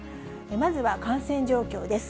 まずは感染状況です。